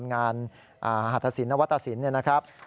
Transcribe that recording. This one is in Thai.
งานหัตถสินวัตถสินนะครับ